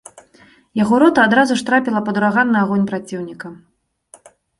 Яго рота адразу ж трапіла пад ураганны агонь праціўніка.